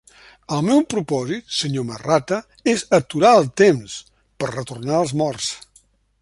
El meu propòsit, Sr. Marratta, és aturar el temps, per retornar els morts.